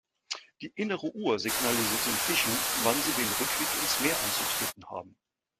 Die „innere Uhr“ signalisiert den Fischen, wann sie den Rückweg ins Meer anzutreten haben.